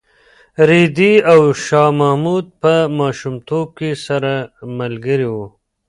رېدي او شاه محمود په ماشومتوب کې سره ملګري وو.